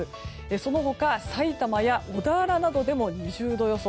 その他、さいたまや小田原などでも２０度予想。